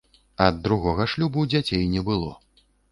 Ад другога шлюбу дзяцей не было.